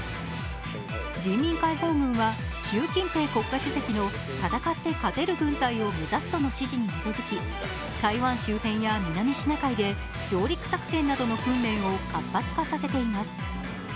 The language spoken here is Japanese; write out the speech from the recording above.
人民解放軍は習近平国家主席の戦って勝てる軍隊を目指すとの指示に基づき台湾周辺や南シナ海で上陸作戦などの訓練を活発化させています。